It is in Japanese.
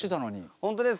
本当ですか？